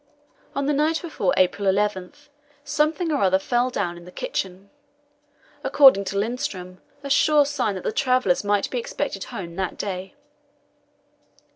On the night before April 11 something or other fell down in the kitchen according to Lindström, a sure sign that the travellers might be expected home that day.